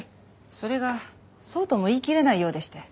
それがそうとも言い切れないようでして。